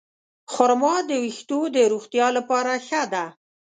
خرما د ویښتو د روغتیا لپاره ښه ده.